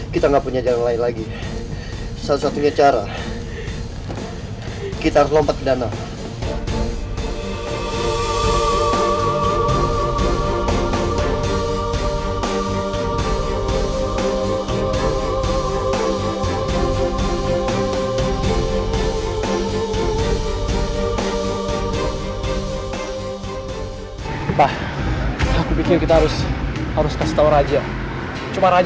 kita gak boleh biarkan orang lain terluka